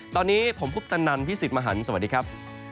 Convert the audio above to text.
ตอนนี้ผมคุปตนันพี่สิทธิ์มหันฯสวัสดีครับ